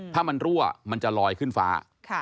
ถ้ามันรั่วมันจะลอยขึ้นฟ้า